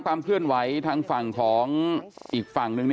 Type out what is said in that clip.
ความเคลื่อนไหวทางฝั่งของอีกฝั่งหนึ่ง